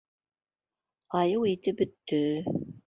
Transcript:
Айыу ите бөттө...